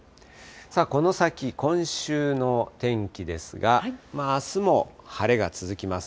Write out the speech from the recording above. この先、今週の天気ですが、あすも晴れが続きます。